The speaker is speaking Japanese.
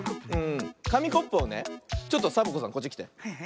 かみコップをねちょっとサボ子さんこっちきて。